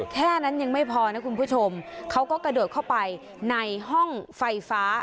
แค่นั้นยังไม่พอนะคุณผู้ชมเขาก็กระโดดเข้าไปในห้องไฟฟ้า